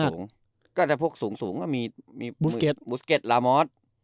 ก็จะพวกสูงมีบูสเก็ตลามอส